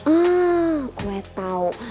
ah gue tau